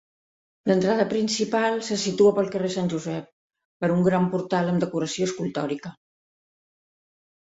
L'entrada principal se situa pel carrer Sant Josep, per un gran portal amb decoració escultòrica.